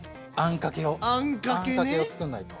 あんかけをつくんないと。